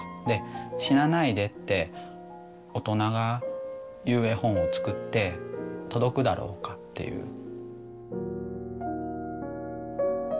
で死なないでって大人が言う絵本を作って届くだろうかっていう。